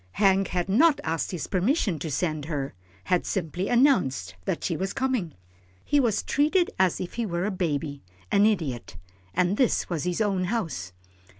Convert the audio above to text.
Hank had not asked his permission to send her had simply announced that she was coming. He was treated as if he were a baby an idiot, and this was his own house.